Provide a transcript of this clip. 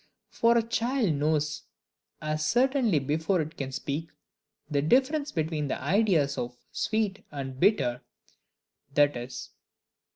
For a child knows as certainly before it can speak the difference between the ideas of sweet and bitter (i.e.